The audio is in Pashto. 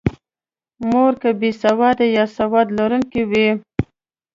مور که بې سواده یا سواد لرونکې وي.